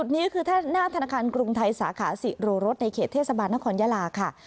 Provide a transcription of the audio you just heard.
นี่คือหน้าธนาคารกรุงไทยสาขาศิโรรสในเขตเทศบาลนครยาลาค่ะ